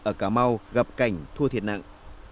ở cà mau gặp cảnh thua thiệt nặng